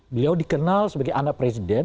beliau dikenal sebagai anak presiden